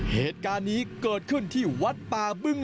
เหตุการณ์นี้เกิดขึ้นที่วัดป่าบึ้ง